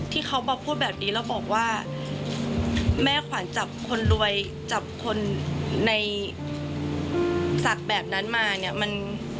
ที่เขามาพูดแบบนี้แล้วบอกว่าแม่ขวัญจับคนรวยจับคนในศักดิ์แบบนั้นมาเนี่ยมัน